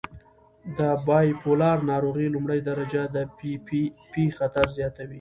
د بایپولار ناروغۍ لومړۍ درجه د پي پي پي خطر زیاتوي.